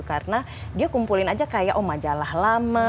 karena dia kumpulin aja kayak oh majalah lama